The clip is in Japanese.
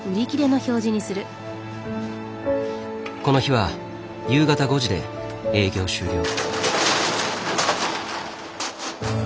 この日は夕方５時で営業終了。